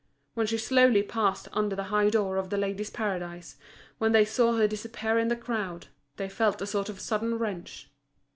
When she slowly passed under the high door of The Ladies' Paradise, when they saw her disappear in the crowd, they felt a sort of sudden wrench.